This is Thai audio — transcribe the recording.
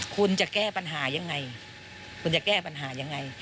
คุณจะแก้ปัญหายังไง